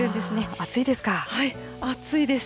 暑いです。